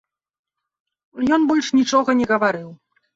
Ён больш нічога не гаварыў.